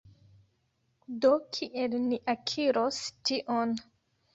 Do, kiel ni akiros tion